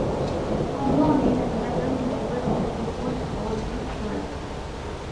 Umuɣ n yinelmaden n uswir wis ukkuẓ ɣezzif cwiṭ.